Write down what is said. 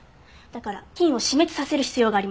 だから菌を死滅させる必要があります。